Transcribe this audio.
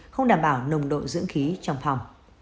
không đảm bảo nồng độ dưỡng khí trong phòng